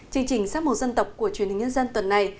chương trình sắp một dân tộc của truyền hình nhân dân tuần này